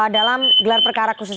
dalam gelar perkara khusus